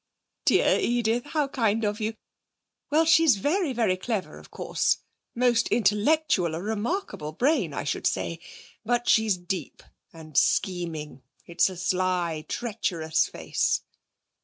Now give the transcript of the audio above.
'Dear Edith, how kind of you. Well, she's very, very clever, of course. Most intellectual. A remarkable brain, I should say. But she's deep and scheming; it's a sly, treacherous face.'